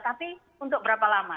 tapi untuk berapa lama